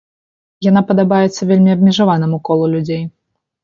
Яна падабаецца вельмі абмежаванаму колу людзей.